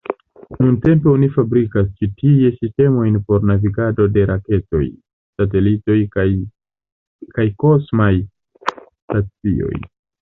Nuntempe oni fabrikas ĉi tie sistemojn por navigado de raketoj, satelitoj kaj kosmaj stacioj.